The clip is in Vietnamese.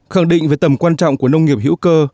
khẳng định về tầm quan trọng của nông nghiệp hữu cơ